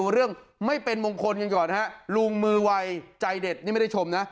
เรื่องไม่เป็นมงคลกันก่อนฮะลุงมือวัยใจเด็ดนี่ไม่ได้ชมนะ